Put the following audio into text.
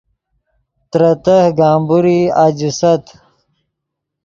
ترے تہہ گمبورئی اَجیست